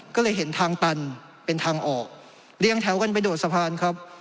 ก็เลยเห็นทางตันเป็นทางออกเรียงแถวกันไปโดดสะพานครับ